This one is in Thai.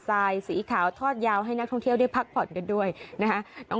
ทรายสีขาวทอดยาวให้นักท่องเที่ยวได้พักผ่อนกันด้วยนะคะ